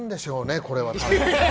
これは。